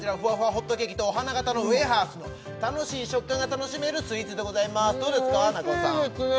ホットケーキとお花型のウエハースの楽しい食感が楽しめるスイーツでございますどうですか中尾さんおいしいですね